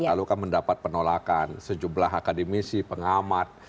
lalu kan mendapat penolakan sejumlah akademisi pengamat